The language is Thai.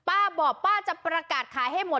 ป้าบอกป้าจะประกาศขายให้หมด